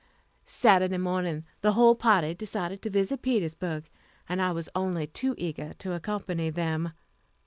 Saturday morning the whole party decided to visit Petersburg, and I was only too eager to accompany them.